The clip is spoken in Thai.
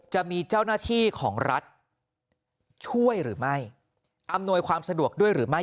จะมีเจ้าหน้าที่ของรัฐช่วยหรือไม่อำนวยความสะดวกด้วยหรือไม่